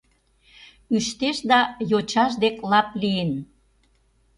Ӱштеш да, йочаж дек лап лийын.